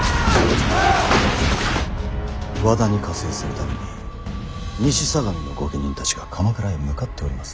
和田に加勢するために西相模の御家人たちが鎌倉へ向かっております。